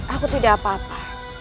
aku tidak apa apa